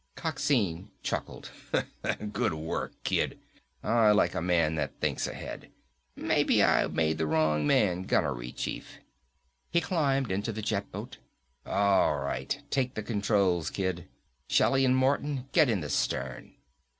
Coxine chuckled. "Good work, Kid. I like a man that thinks ahead. Maybe I made the wrong man gunnery chief." He climbed into the jet boat. "All right, take the controls, Kid. Shelly and Martin, get in the stern."